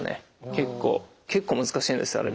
結構結構難しいんですよあれ。